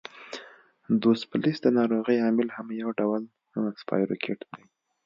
دوسفلیس د ناروغۍ عامل هم یو ډول سپایروکیټ دی.